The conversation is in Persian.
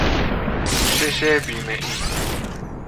پوشش بیمه ای